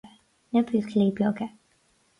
Na buachaillí beaga